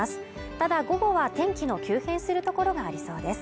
ただ午後は天気の急変する所がありそうです